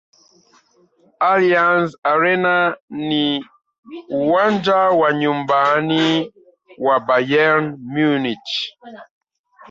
allianz arena ni uwanja wa nyumbani wa bayern munich